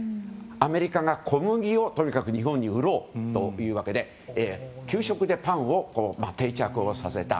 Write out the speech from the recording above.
アメリカが小麦を日本に売ろうというわけで給食でパンを定着させた。